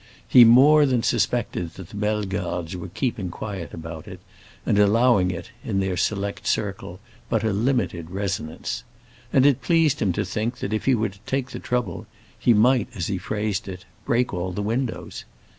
He more than suspected that the Bellegardes were keeping quiet about it, and allowing it, in their select circle, but a limited resonance; and it pleased him to think that if he were to take the trouble he might, as he phrased it, break all the windows.